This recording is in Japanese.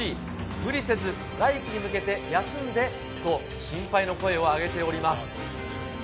無理せず来季に向けて休んでと、心配の声を上げております。